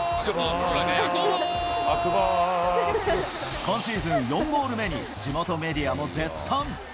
今シーズン４ゴール目に地元メディアも絶賛。